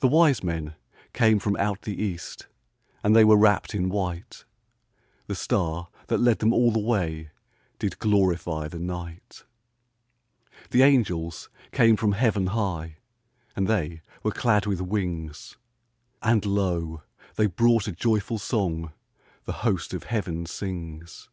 The wise men came from out the east, And they were wrapped in white; The star that led them all the way Did glorify the night. The angels came from heaven high, And they were clad with wings; And lo, they brought a joyful song The host of heaven sings.